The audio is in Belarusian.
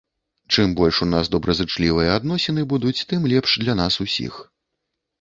Чым больш у нас дабразычлівыя адносіны будуць, тым лепш для нас усіх.